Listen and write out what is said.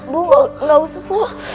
bu gak usah